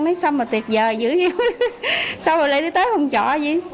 nói sao mà tiệt giờ dữ vậy sao lại đi tới không chọ gì